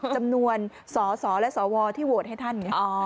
จำนวนสสและสวที่โหวตให้ท่านไง